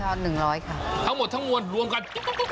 แป้งทอด๑๐๐ค่ะทั้งหมดทั้งวันรวมกัน